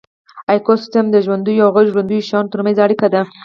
ایکوسیستم د ژوندیو او غیر ژوندیو شیانو ترمنځ اړیکه ده